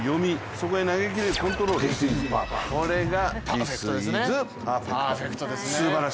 そこに投げきれるコントロール、これがディス・イズ・パーフェクトこれがパーフェクトですね。